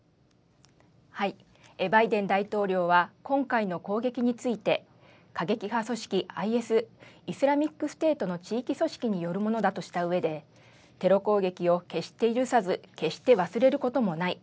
バイデン大統領は今回の攻撃について、過激派組織ＩＳ・イスラミックステートの地域組織によるものだとしたうえで、テロ攻撃を決して許さず、決して忘れることもない。